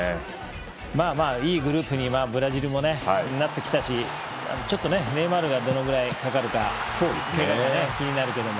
まあまあ、いいグループにブラジルもなってきたしネイマールがどのぐらいかかるかけがが気になるけども。